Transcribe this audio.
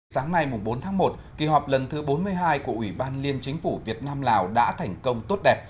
sáng nay bốn tháng một kỳ họp lần thứ bốn mươi hai của ủy ban liên chính phủ việt nam lào đã thành công tốt đẹp